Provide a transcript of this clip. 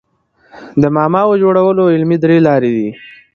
د معماوو جوړولو علمي درې لاري دي.